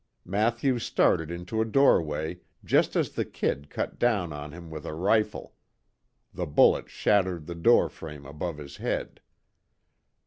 Mathews started into a doorway, just as the "Kid" cut down on him with a rifle. The bullet shattered the door frame above his head.